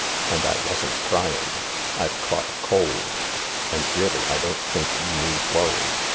" And I wasn't crying. I've caught a cold. And really, I don't think you need worry.